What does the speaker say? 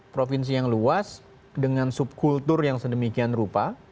provinsi yang luas dengan subkultur yang sedemikian rupa